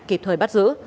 kịp thời bắt giữ